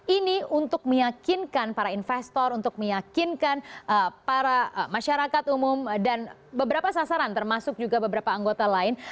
ini untuk meyakinkan para investor untuk meyakinkan para masyarakat umum dan beberapa sasaran termasuk juga beberapa anggota lain